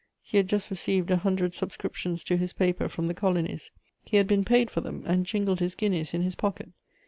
He had just received a hundred subscriptions to his paper from the colonies; he had been paid for them, and jingled his guineas in his pocket.